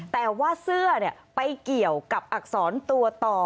แต่ว่าเสื้อไปเกี่ยวกับอักษรตัวต่อ